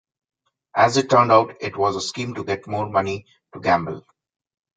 As it turned out, it was a scheme to get more money to gamble.